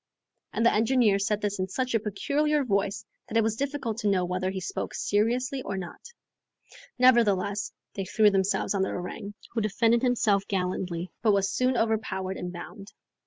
And the engineer said this in such a peculiar voice that it was difficult to know whether he spoke seriously or not. Nevertheless, they threw themselves on the orang, who defended himself gallantly, but was soon overpowered and bound.